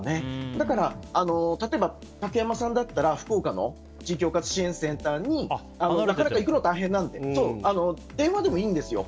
だから、例えば竹山さんだったら福岡の地域包括支援センターになかなか行くのは大変なので電話でもいいんですよ。